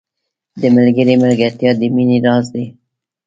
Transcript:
• د ملګري ملګرتیا د مینې راز دی.